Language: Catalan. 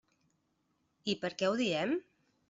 I per què ho diem?